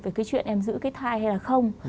về cái chuyện em giữ cái thai hay là không